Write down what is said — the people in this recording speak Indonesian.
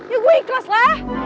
ya gue ikhlas lah